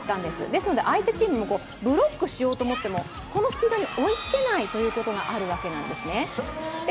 ですので相手チームもブロックしようと思ってもこのスピードに追いつけないということがあるわけなんですね。